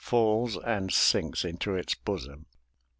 Falls and sinks into its bosom.